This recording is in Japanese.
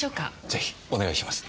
是非お願いします。